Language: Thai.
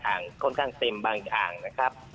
ค่อนข้างเต็มบางอ่างนะครับ